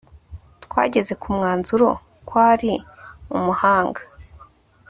Twageze ku mwanzuro ko ari umuhanga